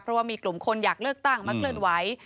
เพราะว่ามีกลุ่มคนอยากเลือกตั้งมาเคลื่อนไหว